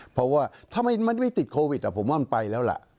เพราะว่าทำไมมันไม่ติดโควิดผมว่ามันไปแล้วล่ะ